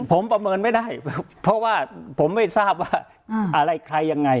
ผมประเมินไม่ได้เพราะว่าผมไม่ทราบว่าอะไรใครยังไง